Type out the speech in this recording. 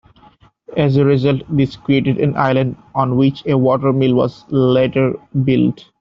As a result, this created an island on which a water-mill was later built.